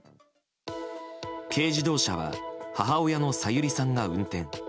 軽自動車は母親の小百合さんが運転。